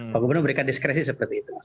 pak gubernur memberikan diskresi seperti itu